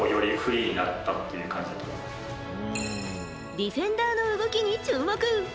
ディフェンダーの動きに注目。